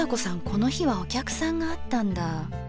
この日はお客さんがあったんだ。